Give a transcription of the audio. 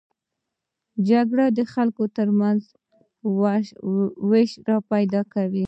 جګړه د خلکو تر منځ وېش پیدا کوي